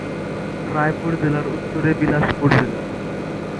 রায়পুর জেলার উত্তরে বিলাসপুর জেলা।